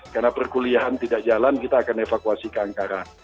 karena perkuliahan tidak jalan kita akan evakuasi ke angkara